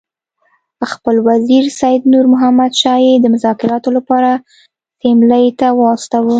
خپل وزیر سید نور محمد شاه یې د مذاکراتو لپاره سیملې ته واستاوه.